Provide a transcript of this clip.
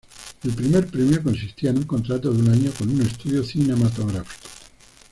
El primer premio consistía en un contrato de un año con un estudio cinematográfico.